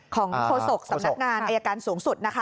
โฆษกสำนักงานอายการสูงสุดนะคะ